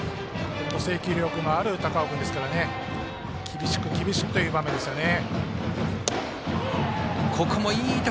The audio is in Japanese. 制球力のある高尾君ですから厳しく厳しくという場面ですね。